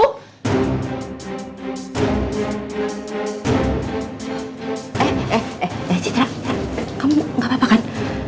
eh citra kamu gak apa apa kan